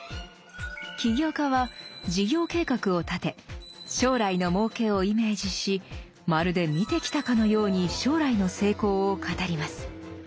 起業家は事業計画を立て将来のもうけをイメージしまるで見てきたかのように将来の成功を語ります。